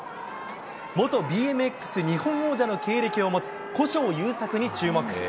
元ＢＭＸ日本王者の経歴を持つ、古性優作に注目。